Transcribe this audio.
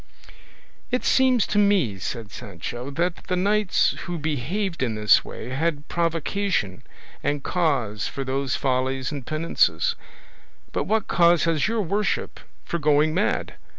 "It seems to me," said Sancho, "that the knights who behaved in this way had provocation and cause for those follies and penances; but what cause has your worship for going mad?